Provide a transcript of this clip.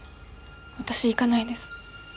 私行かないです。